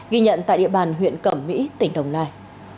ghi nhận tại địa bàn huyện cẩm mỹ tỉnh đồng nai